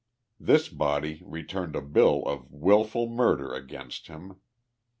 This body returned a bill of willful murder against him.